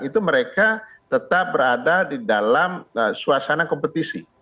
itu mereka tetap berada di dalam suasana kompetisi